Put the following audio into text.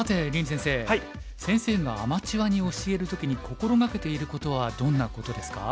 先生がアマチュアに教える時に心掛けていることはどんなことですか？